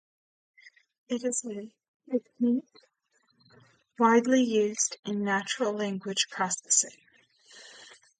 It is a technique widely used in natural language processing.